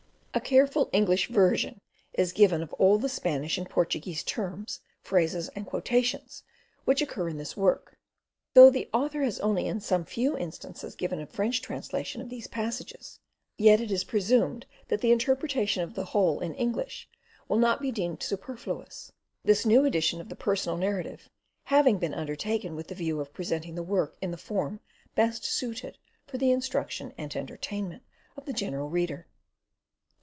A careful English version is given of all the Spanish and Portuguese terms, phrases, and quotations which occur in this work. Though the author has only in some few instances given a French translation of these passages, yet it is presumed that the interpretation of the whole in English will not be deemed superfluous; this new edition of the "Personal Narrative" having been undertaken with the view of presenting the work in the form best suited for the instruction and entertainment of the general reader.